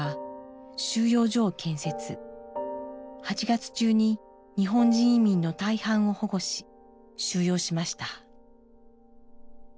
８月中に日本人移民の大半を保護し収容しました。